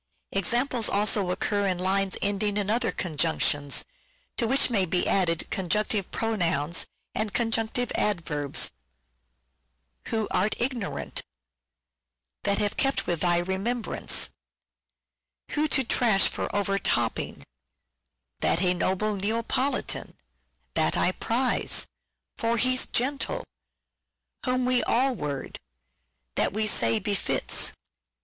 Examples also occur of lines ending in other Conjunctions, to which may be added Conjunctive Pronouns and Conjunctive Adverbs :—" who Art ignorant " (I. 2.) 1 ' that Hath kept with thy remembrance '' (I. 2.) " who To trash for over topping " (I. 2.) "that A noble Neapolitan " (I. 2.) "that I prize " (I. 2.) "for He's gentle " (I 2.) " whom We all were " (II. x.) "that We say befits " (II.